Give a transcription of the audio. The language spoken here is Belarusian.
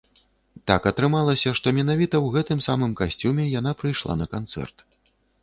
Так атрымалася, што менавіта ў гэтым самым касцюме яна прыйшла на канцэрт.